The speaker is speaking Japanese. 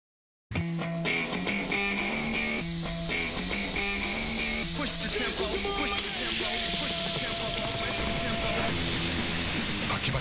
プシューッ！